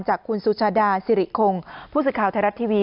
จากคุณสุชาดาสิริคงผู้สื่อข่าวไทยรัฐทีวี